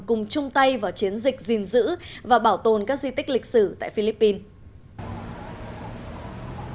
cùng chung tay vào chiến dịch gìn giữ và bảo tồn các di tích lịch sử tại philippines